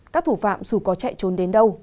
các thủ phạm dù có chạy trốn đến đâu